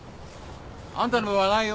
あんたの分はないよ。